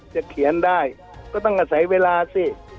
เขียนได้ก็ต้องอาศัยเวลาสิ